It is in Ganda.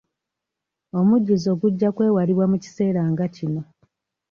Omujjuzo gujja kwewalibwa mu kiseera nga kino.